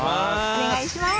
お願いします。